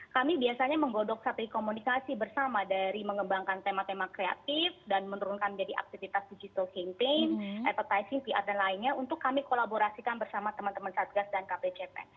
kami biasanya menggodok satu komunikasi bersama dari mengembangkan tema tema kreatif dan menurunkan menjadi aktivitas digital campaign advertising pr dan lainnya untuk kami kolaborasikan bersama teman teman satgas dan kpcp